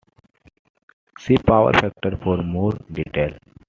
See Power factor for more detail.